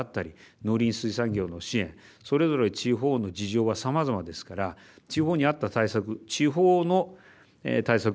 農林水産業の支援それぞれ地方の事情はさまざまですから地方にあった対策地方の対策